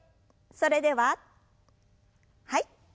それでははい。